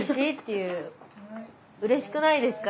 うれしくないですか？